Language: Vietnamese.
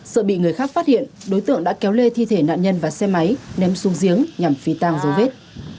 sợ bị người khác phát hiện đối tượng đã kéo lê thi thể nạn nhân và xe máy ném xuống giếng nhằm phi tang dấu vết